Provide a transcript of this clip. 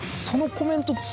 そのコメント